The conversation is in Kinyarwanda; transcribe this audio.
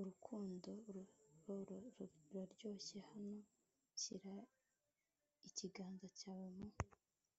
urukundo ruraryoshye hano; shyira ikiganza cyawe mu